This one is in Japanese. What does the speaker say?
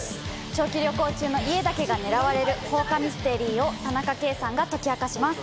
長期旅行中の家だけが狙われる放火ミステリーを田中圭さんが解き明かします。